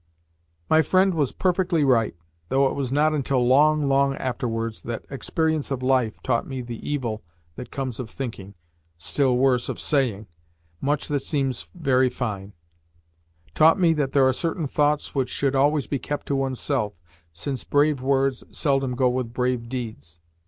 My friend was perfectly right, though it was not until long, long afterwards that experience of life taught me the evil that comes of thinking still worse, of saying much that seems very fine; taught me that there are certain thoughts which should always be kept to oneself, since brave words seldom go with brave deeds.